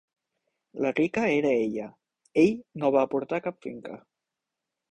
La rica era ella: ell no va aportar cap finca.